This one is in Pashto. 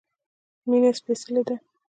مينه سپيڅلی ده